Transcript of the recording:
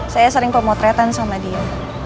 saya sering pemotretan sama dia